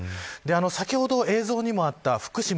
先ほど映像にもあった福島